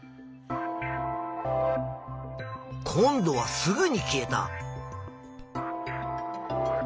今度はすぐに消えた。